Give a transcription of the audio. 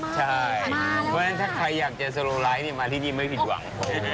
เพราะฉะนั้นถ้าใครอยากจะสโลไลท์มาที่นี่ไม่ผิดหวัง